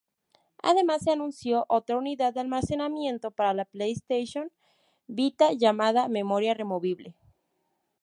Además se anunció otra unidad de almacenamiento para la PlayStation Vita, llamada "Memoria removible".